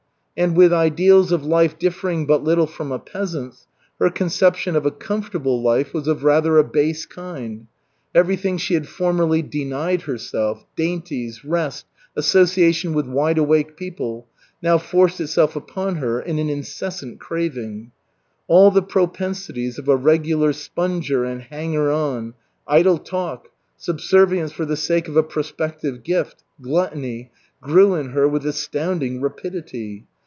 And with ideals of life differing but little from a peasant's, her conception of a "comfortable life" was of rather a base kind. Everything she had formerly denied herself, dainties, rest, association with wide awake people, now forced itself upon her in an insistent craving. All the propensities of a regular sponger and hanger on, idle talk, subservience for the sake of a prospective gift, gluttony, grew in her with astounding rapidity.